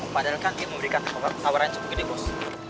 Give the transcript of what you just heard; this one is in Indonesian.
padahal kan dia mau berikan tawaran cukup gini bos